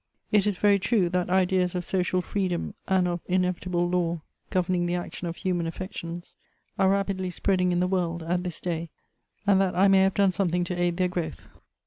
It is very true that ideas of social freedom iind of in evitable law governing the action of human affections are rapidly spreading in the world, at this day, and that I may have done something to aid their growth.